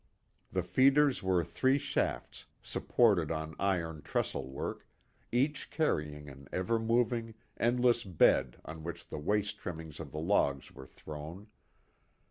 The feeders were three shafts, supported on iron trestle work, each carrying an ever moving, endless bed on which the waste trimmings of the logs were thrown.